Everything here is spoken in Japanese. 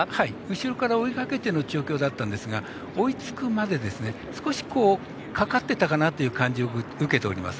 後ろから追いかけてる調教だったんですが追いつくまで少しかかってたかなという感じを受けております。